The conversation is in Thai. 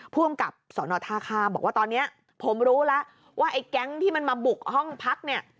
ผู้กำกับสอนอท่าข้ามบอกว่าตอนนี้ผมรู้แล้วว่าไอ้แก๊งที่มันมาบุกห้องพักเนี่ย